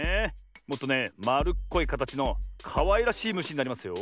もっとねまるっこいかたちのかわいらしいむしになりますよ。